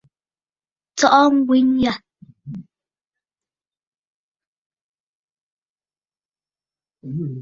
Tsɔʼɔ ŋgwen yâ.